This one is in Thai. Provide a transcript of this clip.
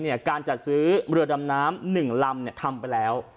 การจัดซื้อเรือดำน้ำ๑ลำทำไปแล้ว